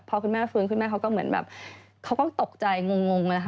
พอคุณแม่ฟื้นขึ้นมาเขาก็เหมือนแบบเขาก็ตกใจงงนะคะ